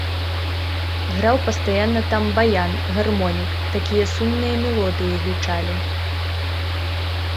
Граў пастаянна там баян, гармонік, такія сумныя мелодыі гучалі.